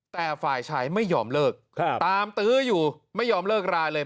แต่ฝ่ายชายไม่ยอมเลิกตามตื้ออยู่ไม่ยอมเลิกราเลย